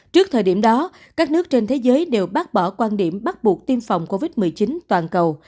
trước thời điểm đó các nước trên thế giới đều bác bỏ quan điểm bắt buộc tiêm phòng covid một mươi chín toàn cầu